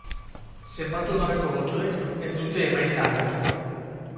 Zenbatu gabeko botoek ez dute emaitza aldatuko.